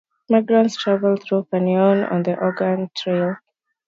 Migrants traveled through Canyon County on the Oregon Trail.